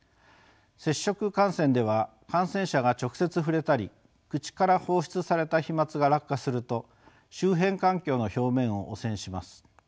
接触感染では感染者が直接触れたり口から放出された飛まつが落下すると周辺環境の表面を汚染します。